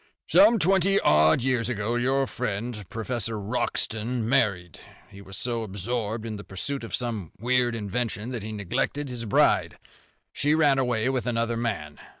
"Some twenty odd years ago your friend, Professor Wroxton, married. He was so absorbed in the pursuit of some weird invention that he neglected his bride. She ran away with another man.